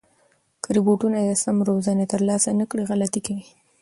که روبوټونه د سمه روزنه ترلاسه نه کړي، غلطۍ کوي.